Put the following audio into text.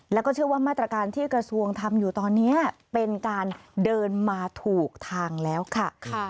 แล้วก็เชื่อว่ามาตรการที่กระทรวงทำอยู่ตอนนี้เป็นการเดินมาถูกทางแล้วค่ะ